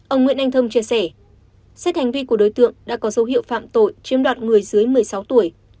ông nguyễn anh thông chia sẻ xét hành vi của đối tượng đã có dấu hiệu phạm tội chiếm đoạt người dưới một mươi sáu tuổi